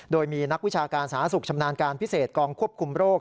โดยมีนักวิชาการสาธารณสุขชำนาญการพิเศษกองควบคุมโรค